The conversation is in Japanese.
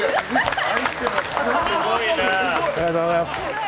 ありがとうございます。